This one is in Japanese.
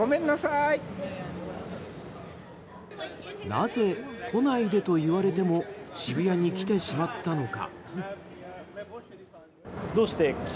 なぜ、来ないでと言われても渋谷に来てしまったのか。